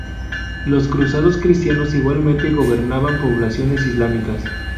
Los cruzados cristianos igualmente gobernaban poblaciones islámicas.